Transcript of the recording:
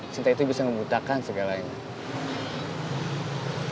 cinta itu bisa membutakan segalanya